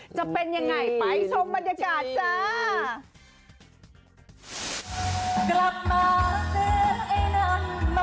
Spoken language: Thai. จะเป็นยังไงไปชมบรรยากาศจ้า